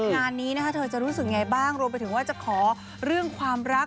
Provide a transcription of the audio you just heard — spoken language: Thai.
งานนี้นะคะเธอจะรู้สึกยังไงบ้างรวมไปถึงว่าจะขอเรื่องความรัก